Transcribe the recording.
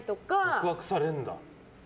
告白されるんだ。